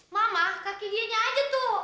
mama kaki dianya aja tuh